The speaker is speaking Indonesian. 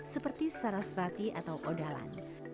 seperti sarasvati atau odalan